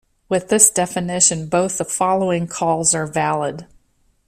With this definition, both the following calls are valid.